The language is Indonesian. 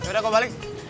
udah kok balik